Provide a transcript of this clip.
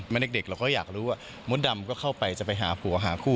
เด็กเราก็อยากรู้ว่ามดดำก็เข้าไปจะไปหาผัวหาคู่